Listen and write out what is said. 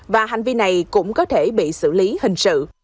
và hành vi này cũng có thể bị xử lý hình sự